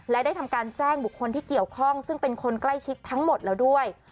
และได้ทำการแจ้งบุคคลที่เกี่ยวข้องซึ่งเป็นคนใกล้ชิดทั้งหมดแล้วด้วย